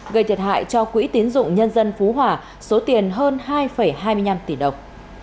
gây thiệt hại cho quỹ tiến dụng nhân dân phú hòa số tiền hơn hai hai mươi năm tỷ đồng